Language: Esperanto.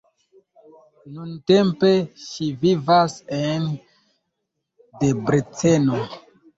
Nuntempe ŝi vivas en Debreceno.